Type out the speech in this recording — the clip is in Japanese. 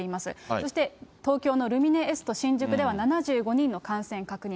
そして東京のルミネエスト新宿では、７５人の感染確認。